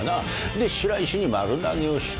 で白石に丸投げをした。